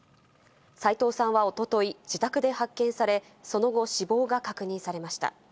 斎藤さんはおととい、自宅で発見され、その後、死亡が確認されました。